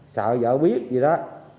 sợ vợ biết gì đó